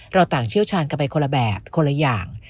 เราต่างเชี่ยวชาญกันไปคนละแบบคนละอย่าง